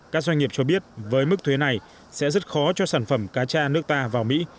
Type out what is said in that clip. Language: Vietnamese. các doanh nghiệp cho biết với mức thuế này sẽ rất khó cho sản phẩm cá cha nước ta vào mỹ